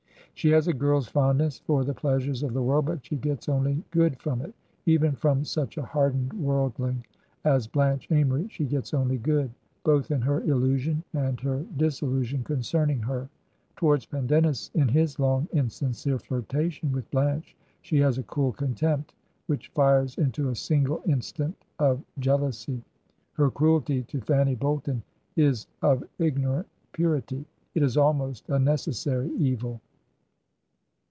She has a girl's fondness for the pleasures of the world, but she gets only good from it. Even from such a hardened worldling as Blanche Amory she gets only good, both in her illusion and her disillusion concerning her. Towards Pendennis in his long, insincere flirtation with Blanche she has a cool contempt which fires into a single instant of jealousy. Her cruelty to Fanny Bolton is of ignorant purity; it is almost a necessary evil.